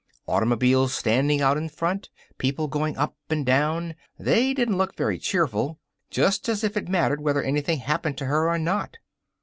Automobiles standing out in front. People going up and down. They didn't look very cheerful. Just as if it mattered whether anything happened to her or not!